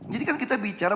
jadi kan kita bicara